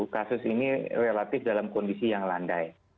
kasus ini relatif dalam kondisi yang landai